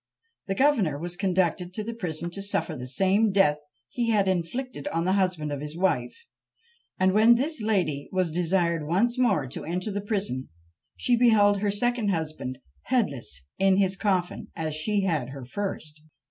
The governor was conducted to the prison to suffer the same death he had inflicted on the husband of his wife; and when this lady was desired once more to enter the prison, she beheld her second husband headless in his coffin as she had her first!